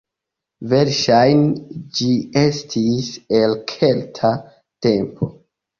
Verŝajne ĝi estis el kelta tempo.